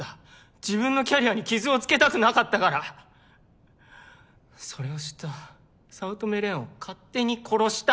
自分のキャリアに傷をつけたくなかったからそれを知った早乙女蓮を勝手に殺した！